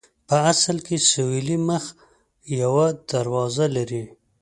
په اصل کې سویلي مخ یوه دروازه لري.